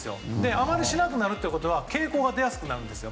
あまりしなくなるということは傾向が出やすくなるんですよ